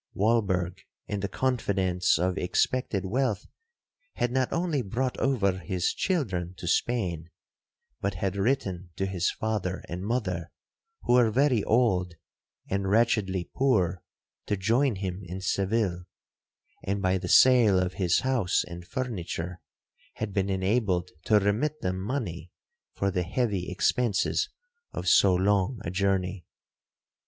Walberg, in the confidence of expected wealth, had not only brought over his children to Spain, but had written to his father and mother, who were very old, and wretchedly poor, to join him in Seville; and by the sale of his house and furniture, had been enabled to remit them money for the heavy expences of so long a journey.